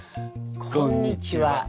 こんにちは。